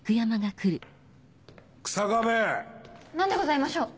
何でございましょう？